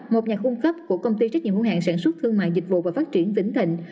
một nhà khung cấp của công ty trách nhiệm hữu hạng sản xuất thương mạng dịch vụ và phát triển tỉnh